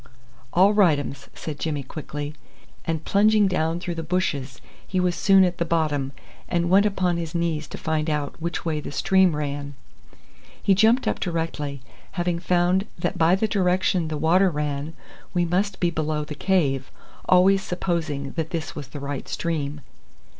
"All right ums," said Jimmy quickly, and plunging down through the bushes he was soon at the bottom, and went upon his knees to find out which way the stream ran. He jumped up directly, having found that by the direction the water ran we must be below the cave, always supposing that this was the right stream.